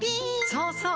そうそう！